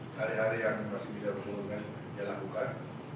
hari hari yang masih bisa berhubungan dia lakukan